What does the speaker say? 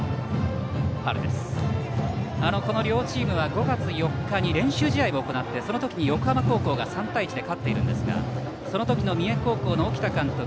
この両チームは５月４日に練習試合を行ってその時に横浜高校が３対１で勝っているんですがその時の三重高校の沖田監督